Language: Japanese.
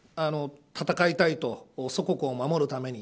戦いたいと、祖国を守るために。